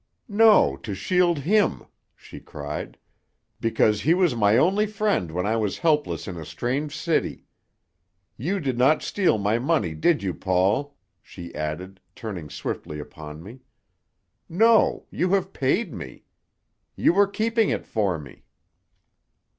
"No, to shield him," she cried. "Because he was my only friend when I was helpless in a strange city. You did not steal my money, did you, Paul?" she added, turning swiftly upon me. "No, you have paid me. You were keeping it for me."